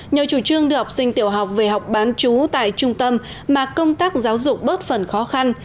nhờ chủ trương đưa học sinh tiểu học về học bán chú tại trung tâm mà công tác giáo dục bớt phần khó khăn